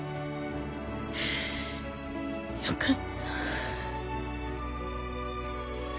よかった。